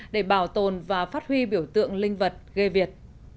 để bảo tồn và phát huy biểu tượng linh vật ghê việt